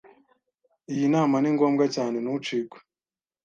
Iyi nama ni ngombwa cyane. Ntucikwe.